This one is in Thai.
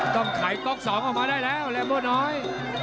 ต้องไขก๊อกสองออกมาได้แล้วแรมโบ้น้อย